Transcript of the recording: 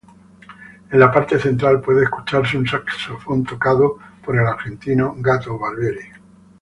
En la parte central puede escucharse un saxofón tocado por el argentino Gato Barbieri.